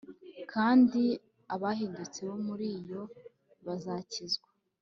kandi abahindutse bo muri yo bazakizwa